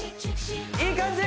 いい感じ！